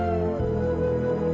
aku terlalu berharga